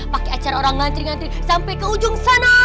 pakai acara orang ngantri ngantri sampai ke ujung sana